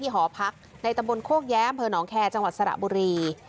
หอพักในตำบลโคกแย้มอำเภอหนองแคร์จังหวัดสระบุรี